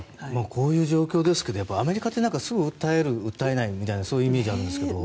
こういう状況ですけれどもアメリカってすぐ訴える、訴えないみたいなイメージがあるんですけど。